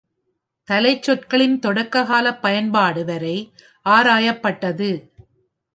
தலைச்சொற்களின் தொடக்க காலப் பயன்பாடு வரை ஆராயப்பட்டது.